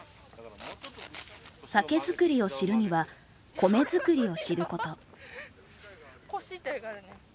酒造りを知るには米づくりを知ること。